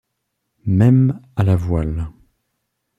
Même à la voile.